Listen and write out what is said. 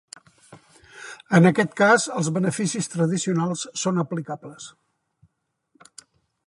In aquest cas els beneficis tradicionals són aplicables.